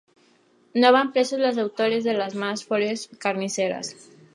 No van presos los autores de las más feroces carnicerías.